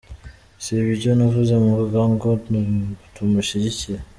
Si ibyo navuze, mvuga ngo tumushyigikire?".